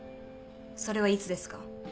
それはいつですか？